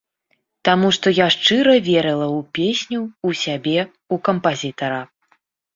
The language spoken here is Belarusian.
Таму што я шчыра верыла ў песню, у сябе, у кампазітара.